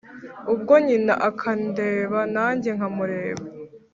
ubwo nyina akandeba najye nka mureba